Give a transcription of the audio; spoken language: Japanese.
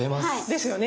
ですよね。